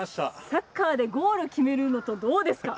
サッカーでゴールを決めるのとどうですか？